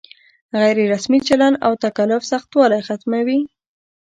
غیر رسمي چلن او تکلف سختوالی ختموي.